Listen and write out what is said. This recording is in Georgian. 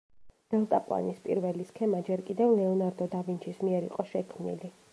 დელტაპლანის პირველი სქემა ჯერ კიდევ ლეონარდო და ვინჩის მიერ იყო შექმნილი.